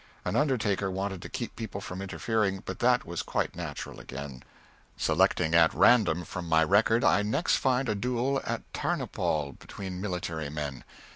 An undertaker wanted to keep people from interfering, but that was quite natural again. Selecting at random from my record, I next find a duel at Tarnopol between military men.